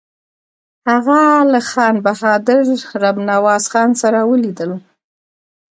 هغه له خان بهادر رب نواز خان سره ولیدل.